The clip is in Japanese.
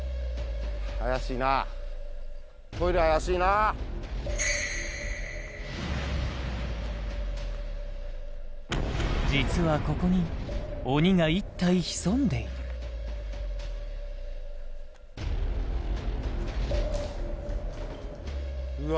トイレ怪しいなっ実はここに鬼が１体潜んでいるうわ